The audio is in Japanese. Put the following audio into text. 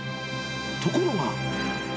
ところが。